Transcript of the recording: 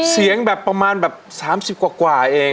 เสียงแบบประมาณแบบ๓๐กว่าเอง